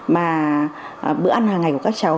mà bữa ăn hàng ngày của các cháu